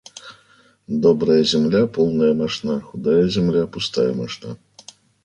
Добрая земля - полная мошна, худая земля - пустая мошна.